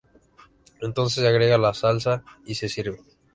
Entonces se agrega la salsa y se sirve.